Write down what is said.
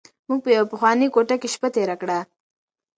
موږ په یوه پخوانۍ کوټه کې شپه تېره کړه.